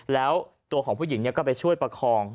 แล้วตัวของผู้หญิงก็ไปช่วยประคอง